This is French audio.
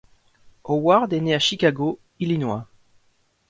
Howard est née à Chicago, Illinois.